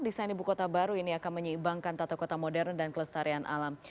desain ibu kota baru ini akan menyeimbangkan tata kota modern dan kelestarian alam